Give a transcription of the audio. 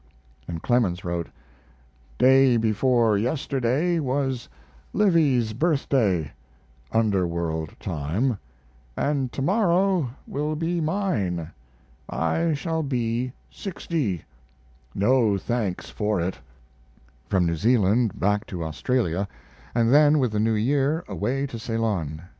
And Clemens wrote: Day before yesterday was Livy's birthday (underworld time) & tomorrow will be mine. I shall be 60 no thanks for it! From New Zealand back to Australia, and then with the new year away to Ceylon.